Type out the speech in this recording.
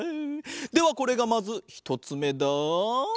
ではこれがまずひとつめだ。